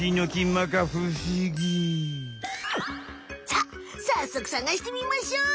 さあさっそくさがしてみましょう！